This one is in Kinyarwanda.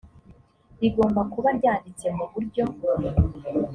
rigomba kuba ryanditse mu buryo